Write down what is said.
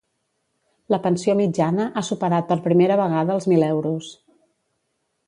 La pensió mitjana ha superat per primera vegada els mil euros.